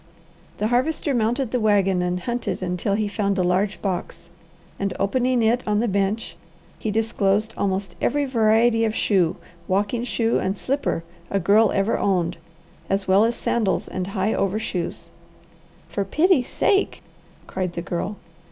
The Harvester mounted the wagon and hunted until he found a large box, and opening it on the bench he disclosed almost every variety of shoe, walking shoe and slipper, a girl ever owned, as well as sandals and high overshoes. "For pity sake!" cried the Girl.